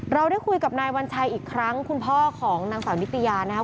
เราได้คุยกับนายวัญชัยอีกครั้งคุณพ่อของนางสาวนิตยานะครับ